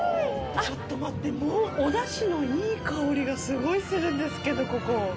ちょっと待ってもうおダシのいい香りがすごいするんですけどここ。